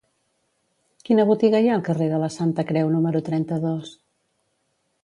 Quina botiga hi ha al carrer de la Santa Creu número trenta-dos?